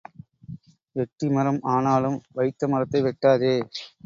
எட்டி மரம் ஆனாலும் வைத்த மரத்தை வெட்டாதே.